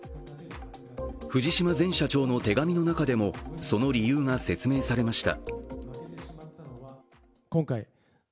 藤島前社長の手紙の中でも、その理由が説明されました。